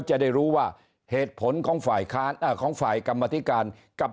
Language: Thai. จะได้รู้ว่าเหตุผลของฝ่ายค้านของฝ่ายกรรมธิการกับ